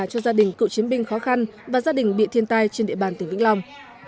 cho gia đình cựu chiến binh khó khăn và gia đình bị thiên tai trên địa bàn tỉnh vĩnh long